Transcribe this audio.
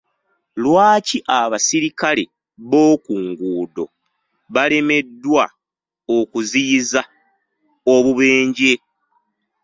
Lwaki abasirikale b’oku nguudo balemeddwa okuziyiza obubenje?